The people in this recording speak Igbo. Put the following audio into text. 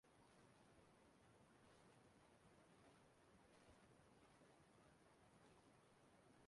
Ụfọdụ ndị ọzọ bikwa n'ụlọ ahụ nwètèrè mmerụahụ n'ụdị dị icheiche